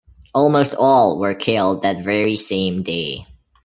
Almost all were killed that very same day.